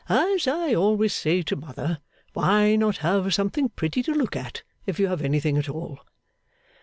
'As I always say to Mother, why not have something pretty to look at, if you have anything at all?